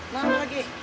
nah berat lagi